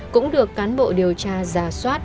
cũng được cán bộ điều tra ra soát